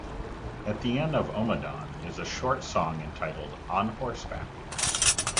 At the end of "Ommadawn" is a short song entitled "On Horseback".